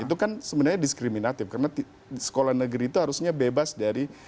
itu kan sebenarnya diskriminatif karena sekolah negeri itu harusnya bebas dari